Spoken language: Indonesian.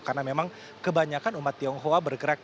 karena memang kebanyakan umat tionghoa bergerak